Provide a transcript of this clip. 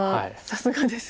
さすがです。